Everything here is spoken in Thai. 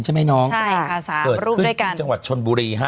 ใช่ค่ะ๓องค์ด้วยกันเกิดขึ้นที่จังหวัดชนบุรี